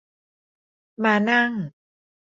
ม้านั่ง